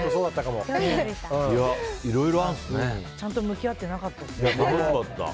ちゃんと向き合ってなかった。